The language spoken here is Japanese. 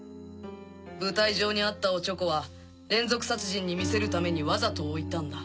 舞台上にあったオチョコは連続殺人に見せるためにわざと置いたんだ。